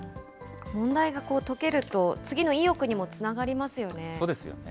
問題が解けると、次の意欲にもつながりますよね。